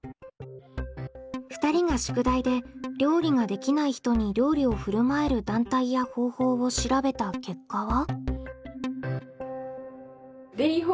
２人が宿題で料理ができない人に料理をふるまえる団体や方法を調べた結果は？